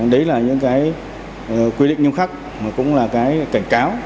đấy là những cái quy định nhưng khắc